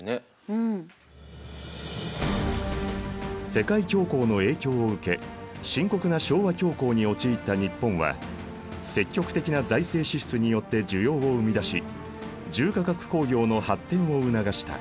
世界恐慌の影響を受け深刻な昭和恐慌に陥った日本は積極的な財政支出によって需要を生み出し重化学工業の発展を促した。